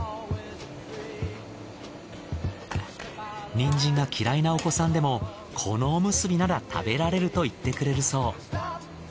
ニンジンが嫌いなお子さんでもこのおむすびなら食べられると言ってくれるそう。